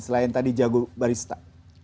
selain tadi jago barista